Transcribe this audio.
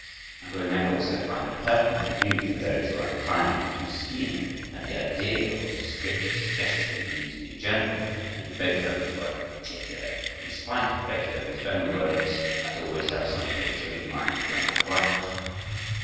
And we may also find a pertinent rebuke for those who are inclined to sneer at the idea of descriptive suggestion in music in general and in Beethoven's works in particular, in spite of Beethoven's own words: "I always have some picture in mind when I write."